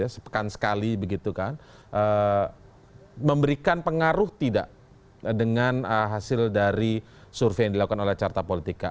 sepekan sekali begitu kan memberikan pengaruh tidak dengan hasil dari survei yang dilakukan oleh carta politika